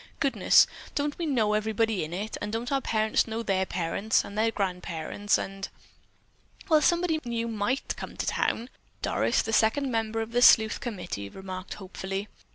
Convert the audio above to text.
Goodness, don't we know everybody in it, and don't our parents know their parents and their grandparents and——" "Well, somebody new might come to town," Doris, the second member of the sleuth committee, remarked hopefully.